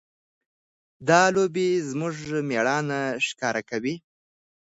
دا لوبې زموږ مېړانه ښکاره کوي.